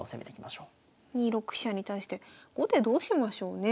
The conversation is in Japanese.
２六飛車に対して後手どうしましょうね？